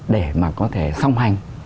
để mà có thể song hành